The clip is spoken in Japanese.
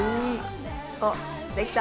おっできた！